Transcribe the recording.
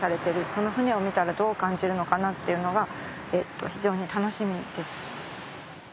その船を見たらどう感じるのかなっていうのが非常に楽しみです。